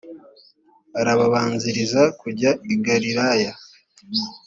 arababanziriza kujya i galilaya